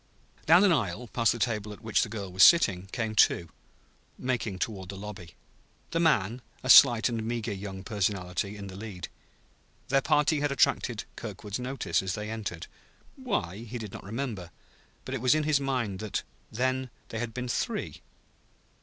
Down an aisle, past the table at which the girl was sitting, came two, making toward the lobby; the man, a slight and meager young personality, in the lead. Their party had attracted Kirkwood's notice as they entered; why, he did not remember; but it was in his mind that then they had been three.